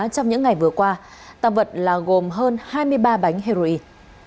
trong những ngày vừa qua tăng vật là gồm hơn hai mươi ba bánh heroin